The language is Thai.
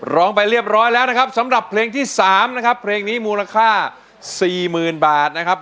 ไปเรียบร้อยแล้วนะครับสำหรับเพลงที่๓นะครับเพลงนี้มูลค่า๔๐๐๐บาทนะครับ